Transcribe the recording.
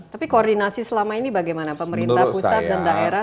tapi koordinasi selama ini bagaimana pemerintah pusat dan daerah